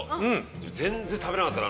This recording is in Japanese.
全然食べなかったな。